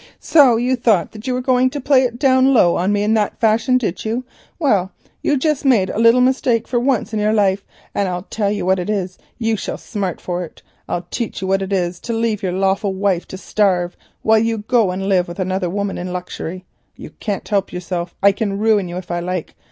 "So you thought that you were going to play it down low on me in that fashion, did you? Well, you've just made a little mistake for once in your life, and I'll tell you what it is, you shall smart for it. I'll teach you what it is to leave your lawful wife to starve while you go and live with another woman in luxury. You can't help yourself; I can ruin you if I like.